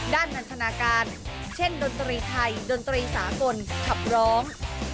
นันทนาการเช่นดนตรีไทยดนตรีสากลขับร้อง